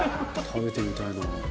「食べてみたいな」